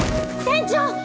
店長！